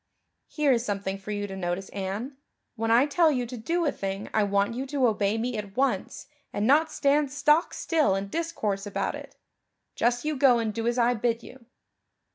"Here is something for you to notice, Anne. When I tell you to do a thing I want you to obey me at once and not stand stock still and discourse about it. Just you go and do as I bid you."